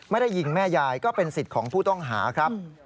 ไม่ได้ยิงแม่ยายก็เป็นสิทธิ์ของผู้ต้องหาครับ